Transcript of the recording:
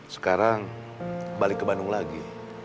sekarang balik ke bandung lagi